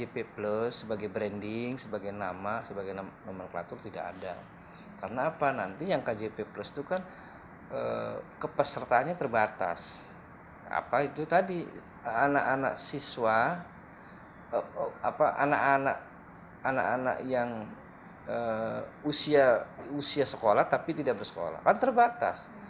pembangunan usia sekolah tapi tidak bersekolah kan terbatas